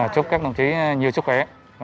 chúc các đồng chí nhiều sức khỏe